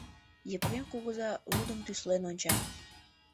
Епрем кугыза лудым тӱслен онча.